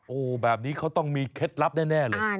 โอ้โหแบบนี้เขาต้องมีเคล็ดลับแน่เลย